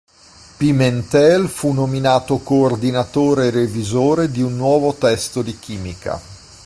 Pimentel fu nominato coordinatore e revisore di un nuovo testo di chimica.